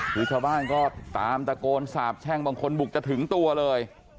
คือชาวบ้านก็ตามตะโกนสาบแช่งบางคนบุกจะถึงตัวเลย